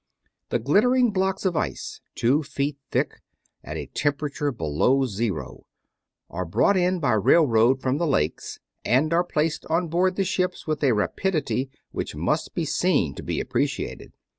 The glittering blocks of ice, two feet thick, at a temperature below zero, are brought in by railroad from the lakes, and are placed on board the ships with a rapidity which must be seen to be appreciated.